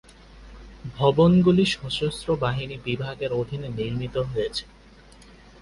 ভবনগুলি সশস্ত্র বাহিনী বিভাগের অধীনে নির্মিত হয়েছে।